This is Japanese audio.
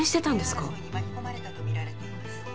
利権争いに巻き込まれたとみられています